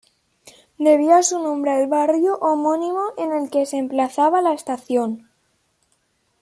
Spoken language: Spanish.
Debía su nombre al barrio homónimo, en el que se emplazaba la estación.